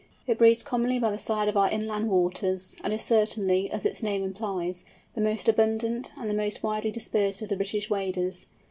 It breeds commonly by the side of our inland waters, and is certainly, as its name implies, the most abundant and the most widely dispersed of the British waders.